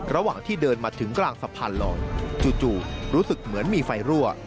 ระหว่างที่เดินมาถึงกลางสะพานลอยจู่รู้สึกเหมือนมีไฟรั่ว